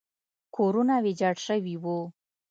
کورونه ویجاړ شوي وو.